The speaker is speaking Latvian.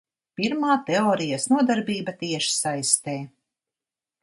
Pirmā teorijas nodarbība tiešsaistē.